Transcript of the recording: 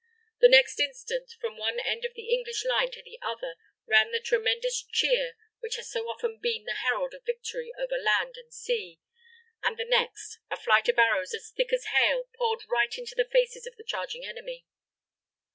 The next instant, from one end of the English line to the other, ran the tremendous cheer which has so often been the herald of victory over land and sea; and the next, a flight of arrows as thick as hail poured right into the faces of the charging enemy.